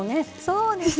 そうです！